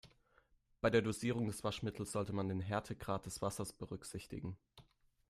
Bei der Dosierung des Waschmittels sollte man den Härtegrad des Wassers berücksichtigen.